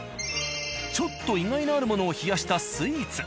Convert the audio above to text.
ちょっと意外なあるものを冷やしたスイーツ。